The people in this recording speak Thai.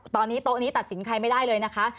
ตอนนี้โต๊ะนี้ตัดสินใครไม่ได้เลยนะคะ